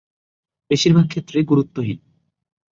বেশিরভাগ ক্ষেত্রে গুরুত্বহীন।